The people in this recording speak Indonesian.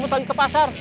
kamu selalu ke pasar